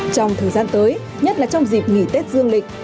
trong thời gian tới nhất là trong dịp nghỉ tết dương lịch